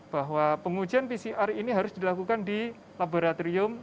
bahwa pengujian pcr ini harus dilakukan di laboratorium